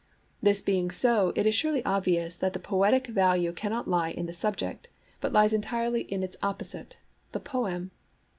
This being so, it is surely obvious that the poetic value cannot lie in the subject, but lies entirely in its opposite, the poem.